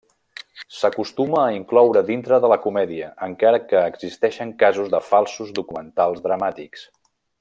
S'acostuma a incloure dintre de la comèdia, encara que existeixen casos de falsos documentals dramàtics.